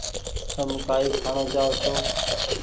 تم ڪآئي کآڻو چآئو ڇو ۔